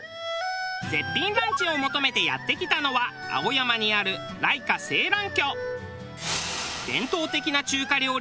絶品ランチを求めてやって来たのは青山にある礼華青鸞居。